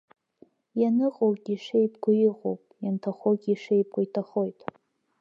Ианыҟоугьы ишеибгоу иҟоуп, ианҭахогьы ишеибгоу иҭахоит.